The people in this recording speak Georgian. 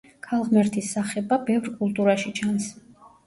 ქალღმერთის სახება ბევრ კულტურაში ჩანს.